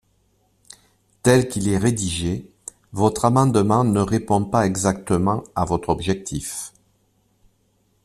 Tel qu’il est rédigé, votre amendement ne répond pas exactement à votre objectif.